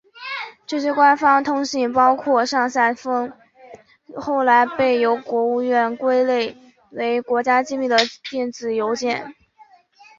这些官方通信包括上千封后来被由国务院归类为国家机密的电子邮件。